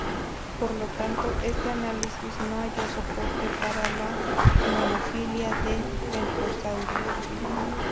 Por lo tanto, este análisis no halló soporte para la monofilia de "Centrosaurus".